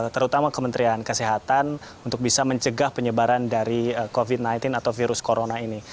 terutama kementerian kesehatan untuk bisa mencegah penyebaran dari covid sembilan belas atau virus corona ini